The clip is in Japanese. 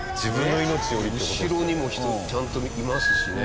後ろにも人ちゃんといますしね。